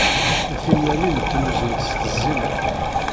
Timellalin ttnuzunt s tteẓẓinat.